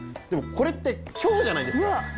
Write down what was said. でもこれって「凶」じゃないですか。